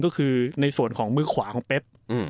ก็คือในส่วนของมือขวาของเป๊บ